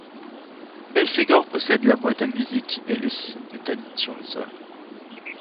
Belphégor possède la boîte à musique et le signe de Tanit sur le sol.